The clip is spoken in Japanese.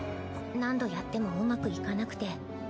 何度やってもうまくいかなくて。